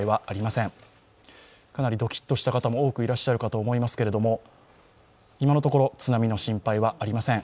かなりドキッとした方も多くいらっしゃるかと思いますが今のところ津波の心配はありません。